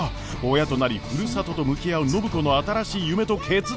親となりふるさとと向き合う暢子の新しい夢と決断とは！？